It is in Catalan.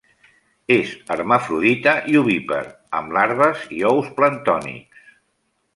És hermafrodita i ovípar amb larves i ous planctònics.